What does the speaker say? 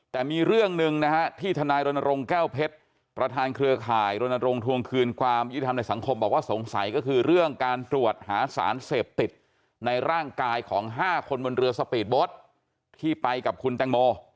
แต่มีเรื่องหนึ่งนะฮะที่ทนายรณรงค์แก้วเพชรประธานเครือข่ายรณรงค์ทวงคืนความยุติธรรมในสังคมบอกว่าสงสัยก็คือเรื่องการตรวจหาสารเสพติดในร่างกายของ๕คนบนเรือสปีดโบ๊ทที่ไปกับคุณแตงโม